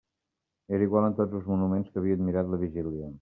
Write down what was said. Era igual en tots els monuments que havia admirat la vigília.